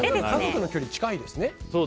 家族の距離近いんですね。